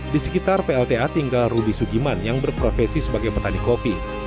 di sekitar plta tinggal rudy sugiman yang berprofesi sebagai petani kopi